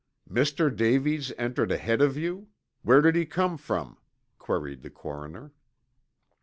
"Mr. Davies entered ahead of you? Where did he come from?" queried the coroner.